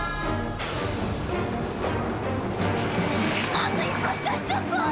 まずい発車しちゃった！